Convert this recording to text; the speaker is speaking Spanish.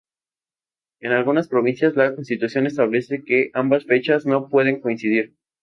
En algunas provincias la constitución establece que ambas fechas no pueden coincidir.